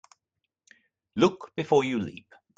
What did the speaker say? Look before you leap.